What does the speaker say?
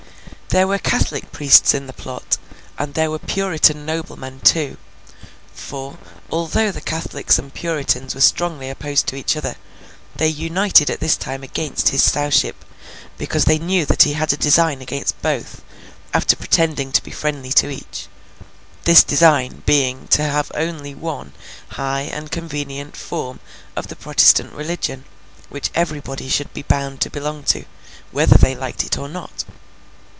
There were Catholic priests in the plot, and there were Puritan noblemen too; for, although the Catholics and Puritans were strongly opposed to each other, they united at this time against his Sowship, because they knew that he had a design against both, after pretending to be friendly to each; this design being to have only one high and convenient form of the Protestant religion, which everybody should be bound to belong to, whether they liked it or not.